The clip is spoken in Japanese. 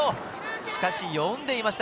しかし読んでいました。